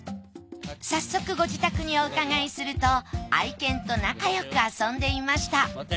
早速ご自宅にお伺いすると愛犬と仲よく遊んでいました。